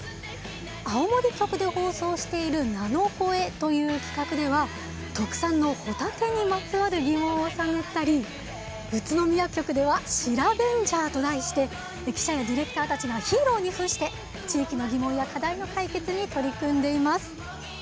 青森局で放送している「ナノコエ」という企画では特産のほたてにまつわる疑問を探ったり、宇都宮局では「シラベンジャー」と題して記者やディレクターたちがヒーローにふんして地域の疑問や課題の解決に取り組んでいます。